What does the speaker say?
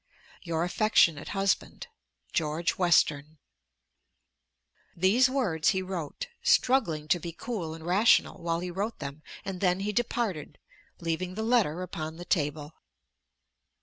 Your affectionate husband, GEORGE WESTERN. These words he wrote, struggling to be cool and rational while he wrote them, and then he departed, leaving the letter upon the table.